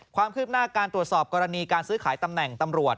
ความคืบหน้าการตรวจสอบกรณีการซื้อขายตำแหน่งตำรวจ